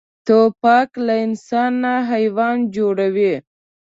توپک له انسان نه حیوان جوړوي.